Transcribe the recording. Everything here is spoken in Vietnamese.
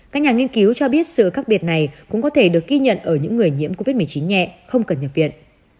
các nhà nghiên cứu cho biết sự khác biệt này cũng có thể được ghi nhận ở những người nhiễm covid một mươi chín nhẹ không cần nhập viện